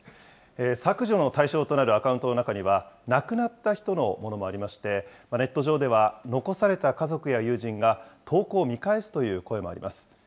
削除の対象となるアカウントの中には、亡くなった人のものもありまして、ネット上では残された家族や友人が、投稿を見返すという声もあります。